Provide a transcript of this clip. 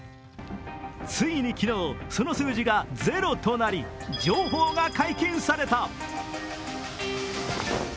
ついに昨日、その数字がゼロとなり情報が解禁された。